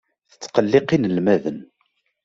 Tettqelliq inelmaden.